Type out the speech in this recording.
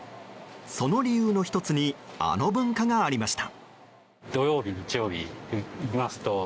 その理由の１つにあの文化がありました。